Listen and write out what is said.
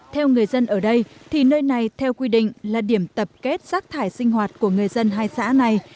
theo người dân ở đây thì nơi này theo quy định là điểm tập kết rác thải sinh hoạt của người dân hai xã này